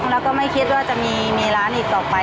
แล้วก็ไม่คิดว่าจะมีร้านอีกต่อไป